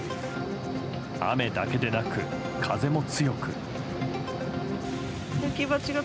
雨だけでなく、風も強く。